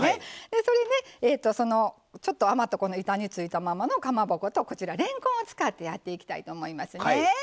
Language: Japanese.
それにちょっと余った板についたままのかまぼことこちられんこんを使ってやっていきたいと思いますね。